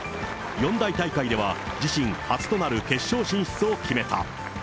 四大大会では自身初となる決勝進出を決めた。